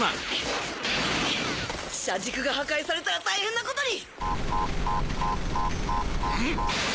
車軸が破壊されたら大変なことに！